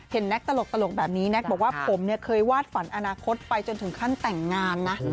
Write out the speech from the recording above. แน็กตลกแบบนี้แน็กบอกว่าผมเนี่ยเคยวาดฝันอนาคตไปจนถึงขั้นแต่งงานนะ